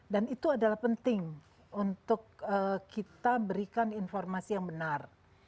dan itu adalah penting untuk kita berikan informasi yang benar